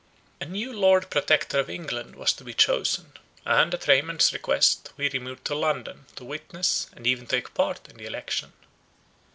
A new Lord Protector of England was to be chosen; and, at Raymond's request, we removed to London, to witness, and even take a part in the election.